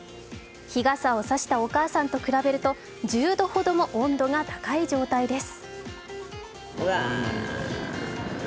日傘を差したお母さんと比べると１０度ほども温度が高い状態です。